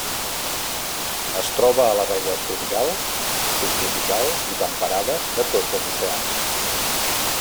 Es troba a les aigües tropicals, subtropicals i temperades de tots els oceans.